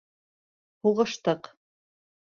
Һуғыштыҡ.